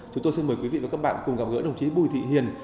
chúng tôi xin mời quý vị và các bạn cùng gặp gỡ đồng chí bùi thị hiền